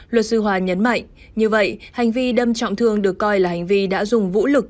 luật sư hòa nhấn mạnh như vậy hành vi đâm trọng thương được coi là hành vi đã dùng vũ lực